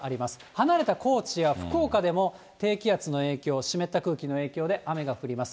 離れた高知や福岡でも低気圧の影響、湿った空気の影響で雨が降ります。